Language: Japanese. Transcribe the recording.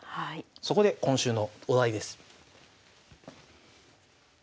そこで今週のお題です。